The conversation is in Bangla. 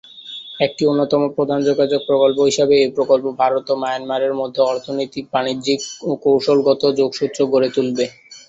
একটি অন্যতম প্রধান যোগাযোগ প্রকল্প হিসেবে এই প্রকল্প ভারত ও মায়ানমারের মধ্যে অর্থনৈতিক, বাণিজ্যিক ও কৌশলগত যোগসূত্র গড়ে তুলবে।